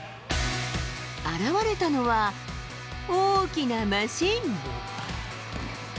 現れたのは、大きなマシン。